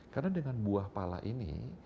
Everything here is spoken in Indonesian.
karena dengan buah pala ini